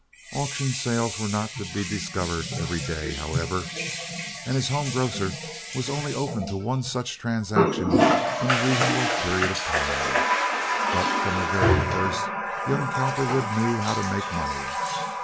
Auction sales were not to be discovered every day, however, and his home grocer was only open to one such transaction in a reasonable period of time, but from the very first young Cowperwood knew how to make money.